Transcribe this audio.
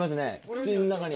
口の中に。